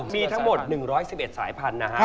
มีทั้งหมด๑๑๑สายพันธุ์นะฮะ